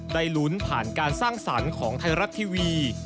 ได้ลุ้นผ่านการสร้างสรรค์ของไทยรัฐทีวี